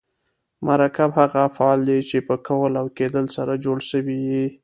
مرکب هغه افعال دي، چي په کول او کېدل سره جوړ سوي یي.